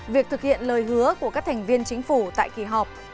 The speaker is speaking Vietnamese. việc thực hiện lời hứa của các thành viên chính phủ tại kỳ họp